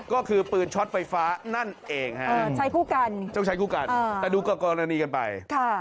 ก็คือปืนช็อตไฟฟ้านั่นเองใช้คู่กันแต่ดูก็กรณีกันไป